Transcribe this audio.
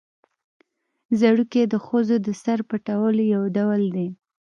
ځړوکی د ښځو د سر پټولو یو ډول دی